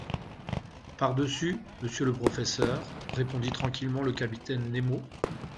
Par-dessus? monsieur le professeur, répondit tranquillement le capitaine Nemo.